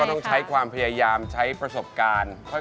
ต้องใช้ความพยายามใช้ประสบการณ์